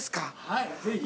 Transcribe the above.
はいぜひ。